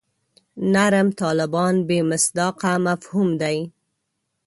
نرم طالبان بې مصداقه مفهوم دی.